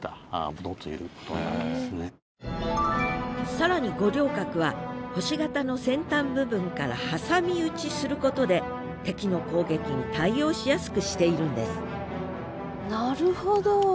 更に五稜郭は星形の先端部分から挟み撃ちすることで敵の攻撃に対応しやすくしているんですなるほど。